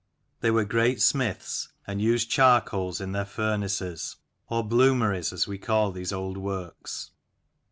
They were great smiths, and used charcoal in their furnaces or bloomeries as we call these old works.